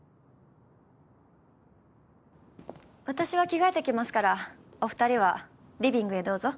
私は着替えてきますからお二人はリビングへどうぞ。